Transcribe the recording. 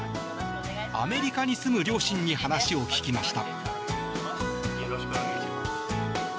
アメリカに住む両親に話を聞きました。